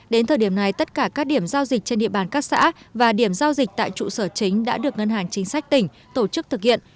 đến thời điểm này tất cả các điểm giao dịch trên địa bàn các xã và điểm giao dịch tại trụ sở chính đã được ngân hàng chính sách tỉnh tổ chức thực hiện